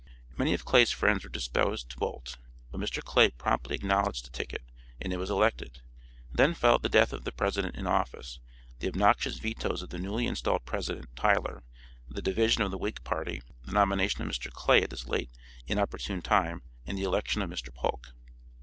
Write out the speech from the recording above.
Many of Clay's friends were disposed to bolt, but Mr. Clay promptly acknowledged the ticket, and it was elected. Then followed the death of the President in office, the obnoxious vetoes of the newly installed President Tyler the division of the Whig party, the nomination of Mr. Clay at this late inopportune time and the election of Mr. Polk.